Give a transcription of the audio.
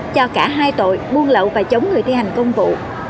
cho cả hai tội buôn lậu và chống người thi hành công vụ